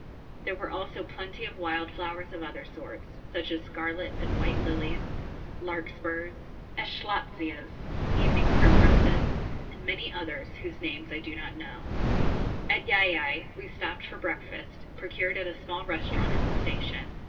There were also plenty of wild flowers of other sorts, such as scarlet and white lilies, larkspurs, eschscholtzias, evening primroses, and many others whose names I do not know. At Llaillai we stopped for breakfast, procured at a small restaurant at the station.